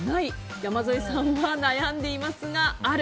山添さんは悩んでいますが、ある。